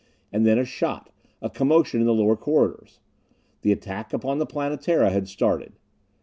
And then a shot; a commotion in the lower corridors.... The attack upon the Planetara had started!